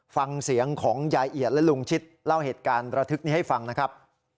ฟังเสียงของยายเอียดและลุงชิดเล่าเหตุการณ์ระทึกนี้ให้ฟังนะครับ